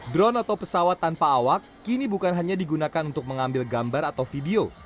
drone atau pesawat tanpa awak kini bukan hanya digunakan untuk mengambil gambar atau video